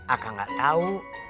akan gak tau